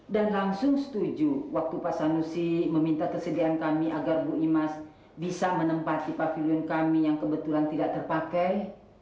dan langsung setuju waktu pak sanusi meminta kesediaan kami agar bu imas bisa menempati pavilion kami yang kebetulan tidak terpakai